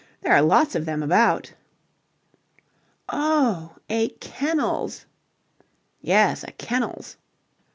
There are lots of them about." "Oh, a kennels?" "Yes, a kennels."